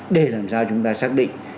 để làm sao chúng ta xác định